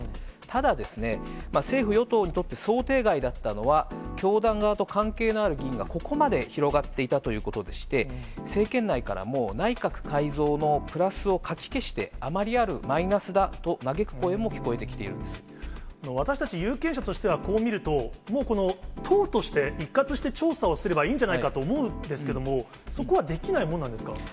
ただ、政府・与党にとって想定外だったのは、教団側と関係のある議員がここまで広がっていたということでして、政権内からも、内閣改造のプラスをかき消して余りあるマイナスだと嘆く声も聞こ私たち、有権者としてはこう見ると、もうこの党として一括して調査をすればいいんじゃないかと思うんですけれども、そこはできないもんなんですか？